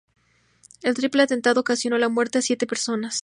El triple atentado ocasionó la muerte a siete personas.